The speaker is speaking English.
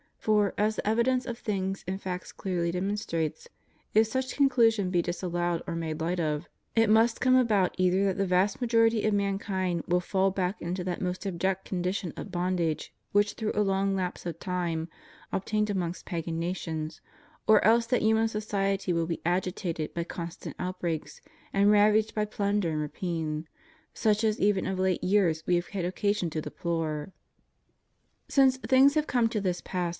For, as the evidence of things and facts clearly demonstrates, if such conclusion be disallowed or made light of, it must come about either that the vast majority of mankind will fall back into that most abject condition of bondage which through a long lapse of time obtained amongst pagan nations, or else that human society will be agitated by constant outbreaks and ravaged by plunder and rapine, such as even of late years we have had occasion to deplore. Since things have come to this pass.